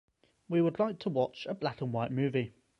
We would like to watch a black-and-white movie.